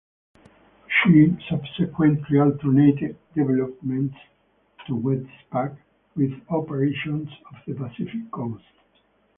She subsequently alternated deployments to WestPac with operations off the Pacific coast.